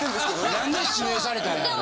何で指名されたんやろ？